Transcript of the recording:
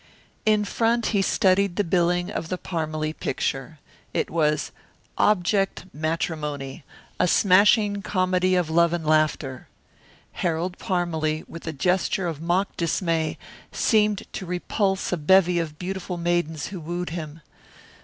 In front he studied the billing of the Parmalee picture. It was "Object, Matrimony a Smashing Comedy of Love and Laughter." Harold Parmalee, with a gesture of mock dismay, seemed to repulse a bevy of beautiful maidens who wooed him.